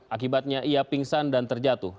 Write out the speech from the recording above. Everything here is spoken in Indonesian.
akibatnya ia pingsan dan terjatuh